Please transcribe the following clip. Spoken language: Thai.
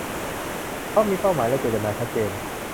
เพราะมีเป้าหมายและเจตนาชัดเจน